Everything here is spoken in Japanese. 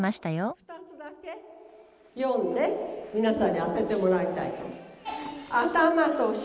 ２つだけ読んで皆さんに当ててもらいたい。